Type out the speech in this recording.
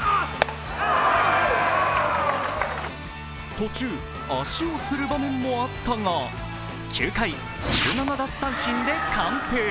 途中、足をつる場面もあったが、９回１７奪三振で完封。